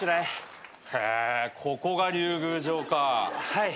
はい。